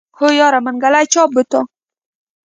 هو يره منګلی چا بوته.